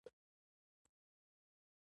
د روم کاتولیک کلیسا څخه په پرېکون پای ته ورسېد.